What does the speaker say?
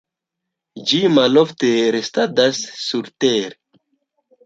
Ĝi malofte restadas surtere.